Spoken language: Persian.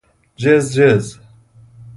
جزجز